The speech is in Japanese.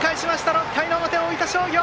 ６回の表、大分商業。